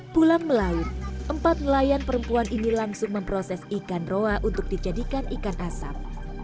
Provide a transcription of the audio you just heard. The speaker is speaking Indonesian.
pulang melaut empat nelayan perempuan ini langsung memproses ikan roa untuk dijadikan ikan asap